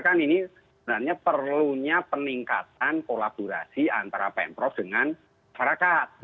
kan ini sebenarnya perlunya peningkatan kolaborasi antara pemprov dengan masyarakat